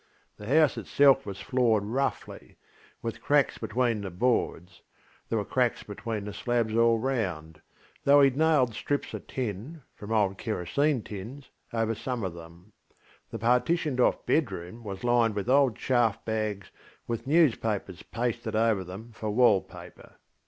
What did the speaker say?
The house itself was floored roughly, with cracks between the boards; there were cracks between the slabs all roundŌĆöthough heŌĆÖd nailed strips of tin, from old kerosene tins, over some of them; the partitioned off bedroom was lined with old chaff bags with newspapers pasted over them for wall paper.